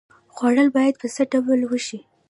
خوړل باید په څه ډول وشي؟